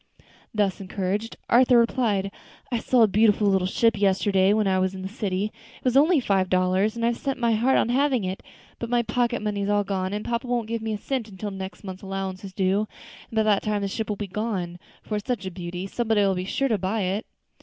Thus encouraged, Arthur replied, "I saw a beautiful little ship yesterday when I was in the city; it was only five dollars, and I've set my heart on having it, but my pocket money's all gone, and papa won't give me a cent until next month's allowance is due; and by that time the ship will be gone, for it's such a beauty somebody'll be sure to buy it."